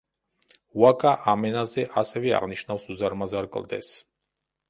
უაკა ამ ენაზე ასევე აღნიშნავს უზარმაზარ კლდეს.